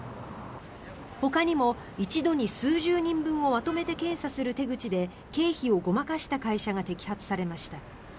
ほかにも一度に数十人分をまとめて検査する手口で経費をごまかした会社が摘発されました。